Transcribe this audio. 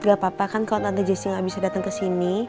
nggak apa apa kan kalau tante jessy nggak bisa datang ke sini